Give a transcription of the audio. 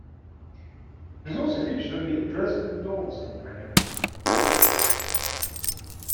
It was also featured in "The Dresden Dolls Companion".